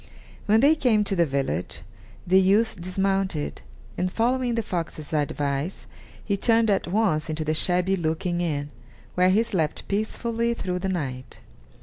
When they came to the village, the youth dismounted, and following the fox's advice, he turned at once into the shabby looking inn, where he slept peacefully through the night.